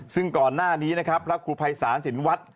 ซึ่งก่อนหน้านี้นะครับพระครูภัยศาลสินวัฒน์